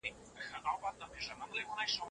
دا مېوه ډېره خوږه ده.